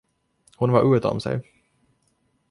Hon var utom sig.